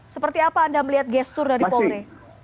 seperti apa anda melihat gestur dari polri